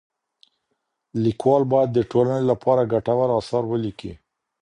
ليکوال بايد د ټولني لپاره ګټور اثار وليکي.